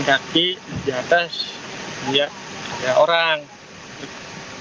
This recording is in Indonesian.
kemudian setelah itu suharsono berkata